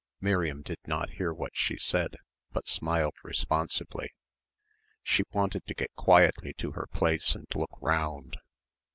Miriam did not hear what she said, but smiled responsively. She wanted to get quietly to her place and look round.